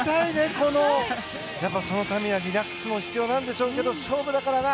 そのためにはリラックスも必要でしょうが勝負だからな。